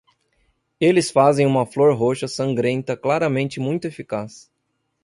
Eles fazem uma flor roxa sangrenta claramente muito eficaz.